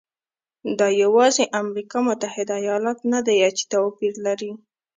دا یوازې امریکا متحده ایالات نه دی چې توپیر لري.